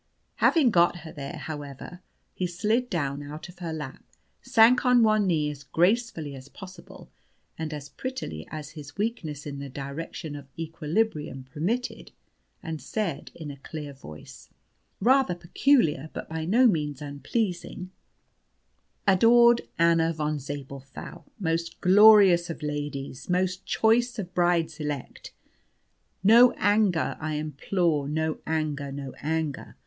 Having got her there, however, he slid down out of her lap, sank on one knee as gracefully as possible, and as prettily as his weakness in the direction of equilibrium permitted, and said, in a clear voice rather peculiar, but by no means unpleasing: "Adored Anna von Zabelthau, most glorious of ladies, most choice of brides elect; no anger, I implore, no anger, no anger.